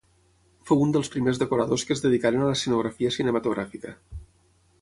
Fou un dels primers decoradors que es dedicaren a l'escenografia cinematogràfica.